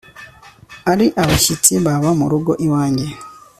ari abashyitsi baba mu rugo iwanjye